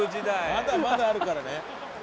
まだまだあるからね。